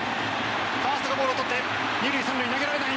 ファーストがボールをとって２塁、３塁に投げられない。